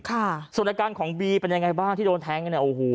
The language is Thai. ค่ะส่วนอาการของบีเป็นยังไงบ้างที่โดนแทงกันเนี่ยโอ้โห